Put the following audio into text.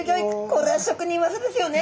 これは職人技ですよね。